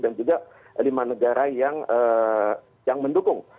dan juga lima negara yang mendukung